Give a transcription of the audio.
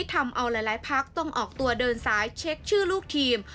ทำเอาหลายพักต้องออกตัวเดินสายเช็คชื่อลูกทีม